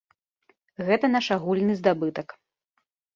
Гэта наш агульны здабытак.